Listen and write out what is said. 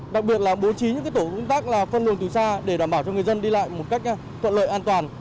đặc biệt là bố trí những cái tổ un tắc là phân lường từ xa để đảm bảo cho người dân đi lại một cách thuận lợi an toàn